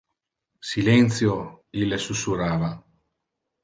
"Silentio", ille susurrava.